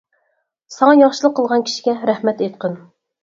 ساڭا ياخشىلىق قىلغان كىشىگە رەھمەت ئېيتقىن.